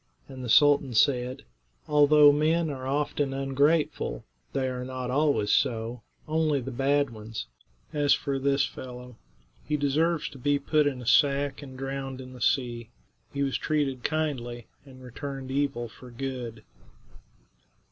And the sultan said: "Although men are often ungrateful, they are not always so; only the bad ones. As for this fellow, he deserves to be put in a sack and drowned in the sea. He was treated kindly, and returned evil for good."